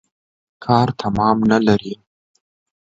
کار تمام نلري.